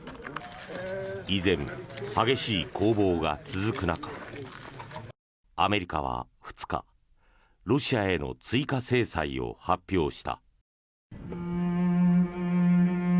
依然、激しい攻防が続く中アメリカは２日ロシアへの追加制裁を発表した。